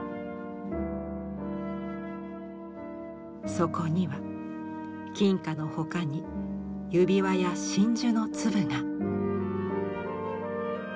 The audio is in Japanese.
そこには金貨の他に指輪や真珠の粒が。